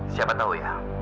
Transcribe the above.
siapa tahu ya